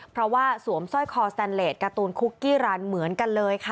เพราะว่าสวมสร้อยคอสแตนเลสการ์ตูนคุกกี้รันเหมือนกันเลยค่ะ